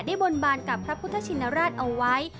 บนบานกับพระพุทธชินราชเอาไว้